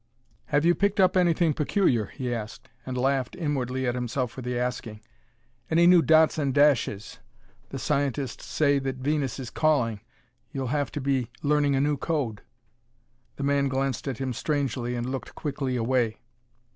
"Have you picked up anything peculiar," he asked, and laughed inwardly at himself for the asking. "Any new dots and dashes? The scientists say that Venus is calling. You'll have to be learning a new code." The man glanced at him strangely and looked quickly away.